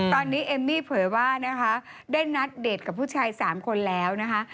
ตอนนี้เอมมี่เผยว่านะคะได้นัดเดทกับผู้ชาย๓คนแล้วนะคะ